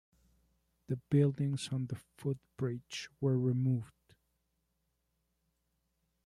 The buildings on the footbridge were removed.